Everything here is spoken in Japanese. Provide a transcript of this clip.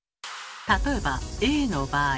例えば「Ａ」の場合。